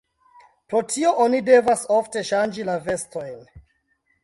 Pro tio oni devas ofte ŝanĝi la vestojn.